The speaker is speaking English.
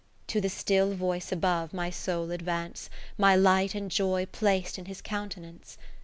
To the Still Voice above, my soul advance ; My light and joy plac'd in his countenance?